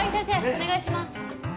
お願いします。